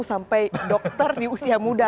sampai dokter di usia muda